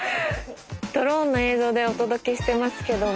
ドローンの映像でお届けしてますけども。